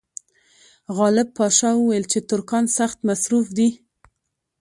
غالب پاشا وویل چې ترکان سخت مصروف دي.